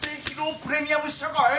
プレミアム試写会？